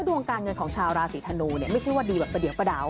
ดวงการเงินของชาวราศีธนูเนี่ยไม่ใช่ว่าดีแบบประเดี๋ยวประดาว